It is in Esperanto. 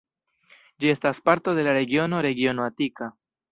Ĝi estas parto de la regiono regiono Atika.